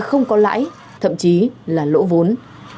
không có lãi thậm chí là lỗ vốn